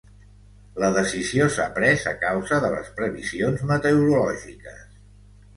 La decisió s’ha pres a causa de les previsions meteorològiques.